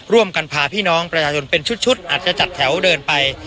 พาพี่น้องประชาชนเป็นชุดอาจจะจัดแถวเดินไป